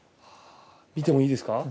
見てもいいですか？